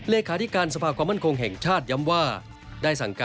เศรษฐกิจราชน์ของสวรรค์